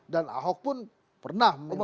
dan ahok pun pernah memimpin